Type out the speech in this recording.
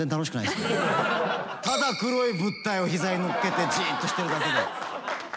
ただ黒い物体を膝にのっけてじっとしてるだけで。